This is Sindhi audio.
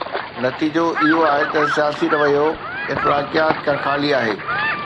نتيجو اهو آهي ته سياسي رويو اخلاقيات کان خالي آهي.